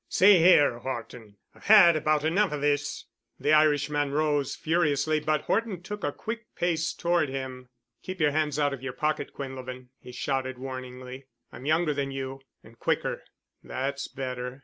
"See here, Horton, I've had about enough of this——" The Irishman rose furiously, but Horton took a quick pace toward him. "Keep your hands out of your pockets, Quinlevin," he shouted warningly. "I'm younger than you—and quicker. That's better.